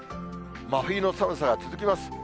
真冬の寒さが続きます。